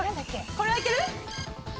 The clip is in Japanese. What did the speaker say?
これはいける？